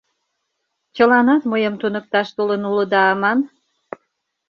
Чыланат мыйым туныкташ толын улыда аман?!